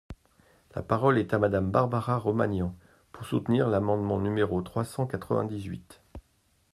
La parole est à Madame Barbara Romagnan, pour soutenir l’amendement numéro trois cent quatre-vingt-dix-huit.